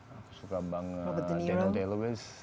aku suka banget daniel day lewis